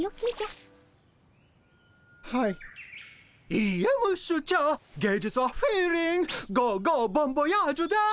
いいえムッシュチャー芸術はフィーリングゴーゴーボンボヤージュです。